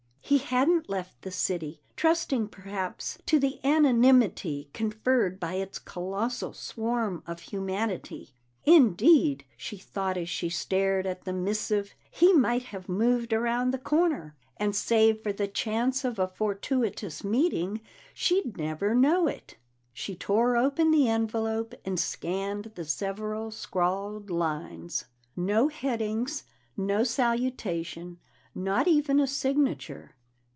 He hadn't left the city, trusting perhaps to the anonymity conferred by its colossal swarm of humanity. Indeed, she thought as she stared at the missive, he might have moved around the corner, and save for the chance of a fortuitous meeting she'd never know it. She tore open the envelope and scanned the several scrawled lines. No heading, no salutation, not even a signature.